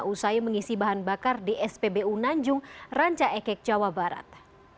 usai mengisi bahan bakar di spbu nanjung ranca ekek jawa barat